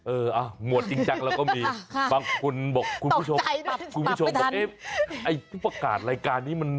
เออหมวดจริงจักรเราก็มีคุณผู้ชมบอกไอ้ผู้ประกาศรายการนี้